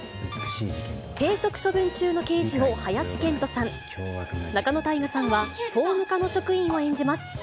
停職処分中の刑事を林遣都さん、仲野太賀さんは総務課の職員を演じます。